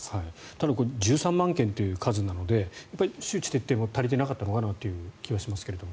ただ、これ１３万件という数なので周知徹底が足りていなかった気がしますが。